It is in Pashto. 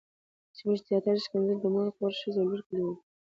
زموږ زياتره ښکنځلې د مور، خور، ښځې او لور کلمې دي.